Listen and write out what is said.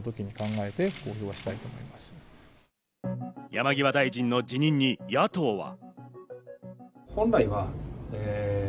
山際大臣の辞任に野党は。